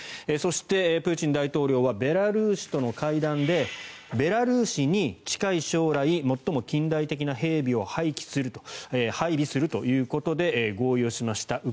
そしてプーチン大統領はベラルーシとの会談でベラルーシに近い将来最も近代的な兵備を配備するということで合意をしました。